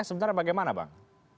sebentar bagaimana bang